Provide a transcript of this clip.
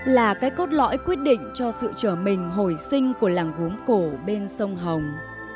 là cái cốt lõi quyết định cho sự trở mình hồi sinh của làng gốm cổ bên sông hồng